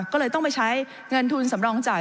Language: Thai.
ก็เลยต้องไปใช้เงินทุนสำรองจ่าย